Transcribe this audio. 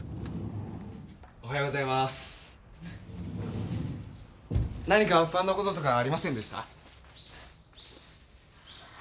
おはようございます何か不安なこととかありませんでした？